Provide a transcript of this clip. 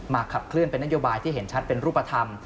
ขับเคลื่อนเป็นนโยบายที่เห็นชัดเป็นรูปธรรม